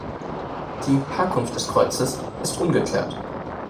Die Herkunft des Kreuzes ist ungeklärt.